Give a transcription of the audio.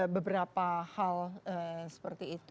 beberapa hal seperti itu